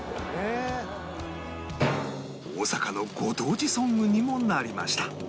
大阪のご当地ソングにもなりました